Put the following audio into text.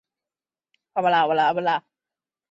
用作抵抗性急性前骨髓性白血病的化学疗法。